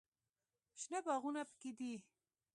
شنه باغونه پکښې دي.